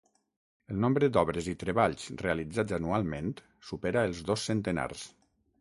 El nombre d'obres i treballs realitzats anualment supera els dos centenars.